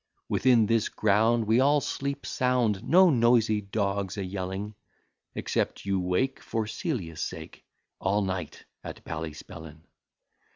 Within this ground we all sleep sound, No noisy dogs a yelling; Except you wake, for Celia's sake, All night at Ballyspellin.